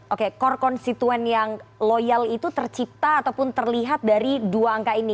oke core constituen yang loyal itu tercipta ataupun terlihat dari dua angka ini